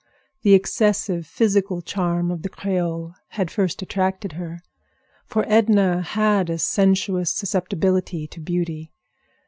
The excessive physical charm of the Creole had first attracted her, for Edna had a sensuous susceptibility to beauty.